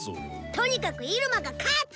とにかくイルマが勝つ！